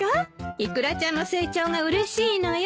イクラちゃんの成長がうれしいのよ。